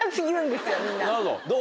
どう？